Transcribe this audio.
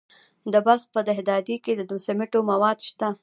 د بلخ په دهدادي کې د سمنټو مواد شته.